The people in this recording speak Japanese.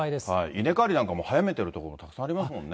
稲刈りなんかも早めてる所、たくさんありますもんね。